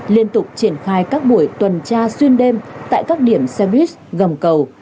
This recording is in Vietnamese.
liên tục triển khai các buổi tuần tra xuyên đêm tại các điểm xe buýt gầm cầu